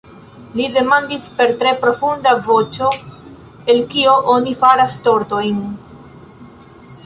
Li demandis per tre profunda voĉo:"El kio oni faras tortojn?"